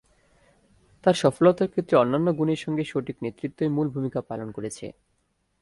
তাঁর সফলতার ক্ষেত্রে অন্যান্য গুণের সঙ্গে সঠিক নেতৃত্বই মূল ভূমিকা পালন করেছে।